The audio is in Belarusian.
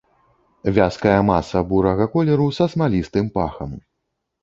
Вязкая маса бурага колеру са смалістым пахам.